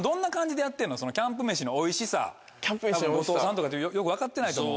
キャンプ飯のおいしさ多分後藤さんとかよく分かってないと思う。